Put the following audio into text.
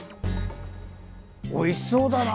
おいしそうだな。